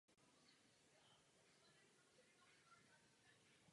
Za stejnou roli získala cenu Emmy.